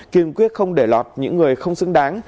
kiên quyết không để lọt những người không xứng đáng